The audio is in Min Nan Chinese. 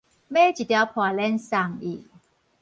買一條袚鍊送伊